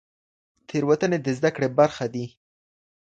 تېروتنې د زده کړې برخه دي.